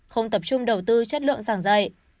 không tập trung đầu tư chất lượng giảng dạy